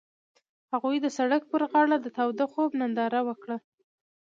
هغوی د سړک پر غاړه د تاوده خوب ننداره وکړه.